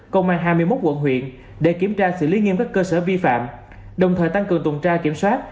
công an hai mươi một quận huyện để kiểm tra xử lý nghiêm các cơ sở vi phạm đồng thời tăng cường tuần tra kiểm soát